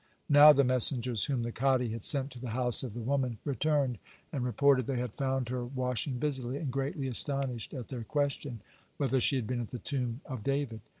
Now the messengers whom the kadi had sent to the house of the woman returned, and reported they had found her washing busily, and greatly astonished at their question, whether she had been at the tomb of David.